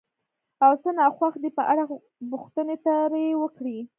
او څه ناخوښ دي په اړه پوښتنې ترې وکړئ،